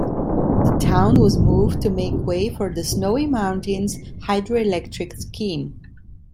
The town was moved to make way for the Snowy Mountains Hydro-Electric Scheme.